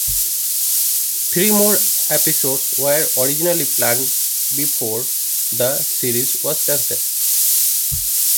Three more episodes were originally planned before the series was canceled.